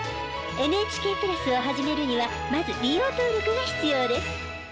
ＮＨＫプラスを始めるにはまず利用登録が必要です。